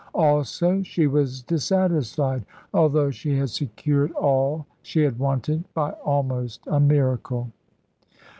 Also she was dissatisfied, although she had secured all she had wanted by almost a miracle.